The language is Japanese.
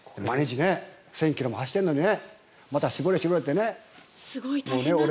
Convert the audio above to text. １０００ｋｍも走ってるのに、また絞れってね。